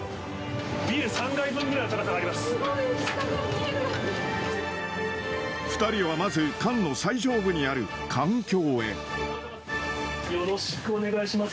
ビル３階分ぐらいの高さがあすごい、２人はまず、艦の最上部にあよろしくお願いします。